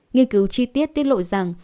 nghiên cứu chi tiết tiết lộ rằng